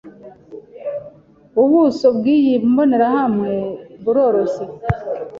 Ubuso bwiyi mbonerahamwe buroroshye.